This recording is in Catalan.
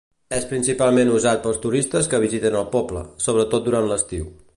És principalment usat pels turistes que visiten el poble, sobretot durant l'estiu.